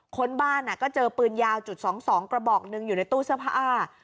คนบ้านก็เจอปืนยาวจุด๒๒กระบอกหนึ่งอยู่ในตู้เสื้อผ้า